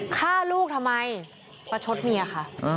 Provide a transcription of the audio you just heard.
ฆ่าลูกทำไมประชดเมียค่ะ